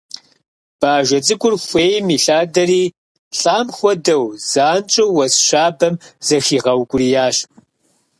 Бажэ цӀыкӀур хуейм илъадэри, лӀам хуэдэу, занщӀэу уэс щабэм зыхигъэукӀуриящ.